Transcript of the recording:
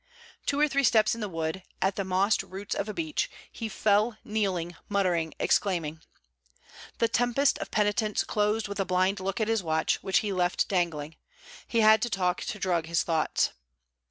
Two or three steps in the wood, at the mossed roots of a beech, he fell kneeling, muttering, exclaiming. The tempest of penitence closed with a blind look at his watch, which he left dangling. He had to talk to drug his thoughts.